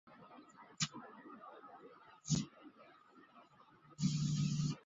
罗德里格斯茜草目前被列为极危物种。